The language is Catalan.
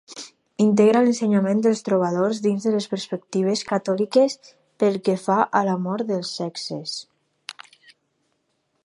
Integra l'ensenyament dels trobadors dins les perspectives catòliques pel que fa a l'amor dels sexes.